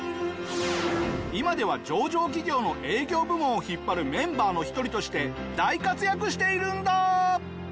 今では上場企業の営業部門を引っ張るメンバーの一人として大活躍しているんだ！